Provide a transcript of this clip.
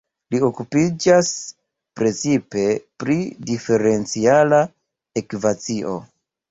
Li okupiĝas precipe pri diferenciala ekvacio.